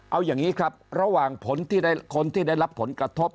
เอาอย่างนี้ครับระหว่างผลที่คนที่ได้รับผลกระทบ